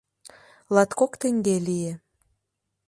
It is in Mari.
Латкок теҥге лие.